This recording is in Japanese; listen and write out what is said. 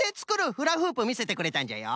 フラフープみせてくれたんじゃよ。